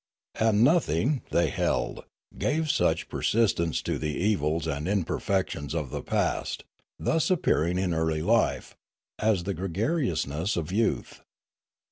And nothing, they held, gave such persistence to the evils and imperfections of the past, thus appearing in early life, as the gregariousness of youth.